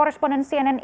terima kasih pak